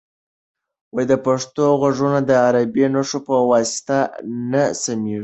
د پښتو غږونه د عربي نښو په واسطه نه سمیږي.